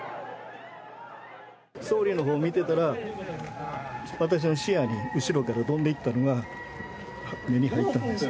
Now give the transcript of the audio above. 総理のほう見てたら、私の視野に、後ろから飛んでいったのが目に入ったんです。